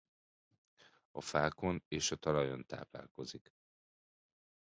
A fákon és a talajon táplálkozik.